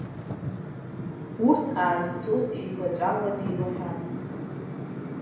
Урҭ аазцоз еиқәаҵәала деилаҳәан.